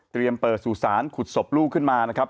เปิดสู่สารขุดศพลูกขึ้นมานะครับ